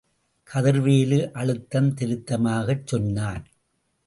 கதிர்வேலு அழுத்தம் திருத்தமாகச் சொன்னான்.